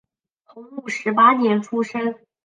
洪武十八年出生。